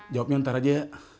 jawabnya ntar aja